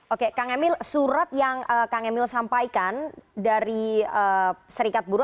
oke kang emil surat yang kang emil sampaikan dari serikat buru